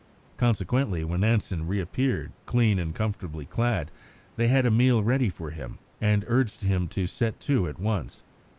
Consequently, when Nansen reappeared, clean and comfortably clad, they had a meal ready for him, and urged him to set to at once.